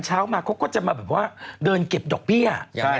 เช้ามาเขาก็จะมาเดินเก็บดอกเปี้ย